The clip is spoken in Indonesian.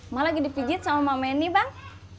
emak lagi dipijit sama emak meni bang